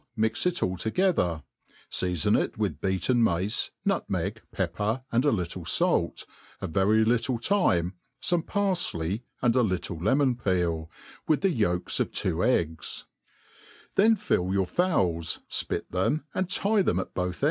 mix it all together; feafon it with beaten mace, nutmeg, pep per, and a little fait, 9 very little thyme, fome parfley, and a little lemon peel, with the yolks of two eggs j then fill your fowls, fpit them, and tie them at both